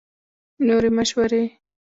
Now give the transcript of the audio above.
نورې مشورې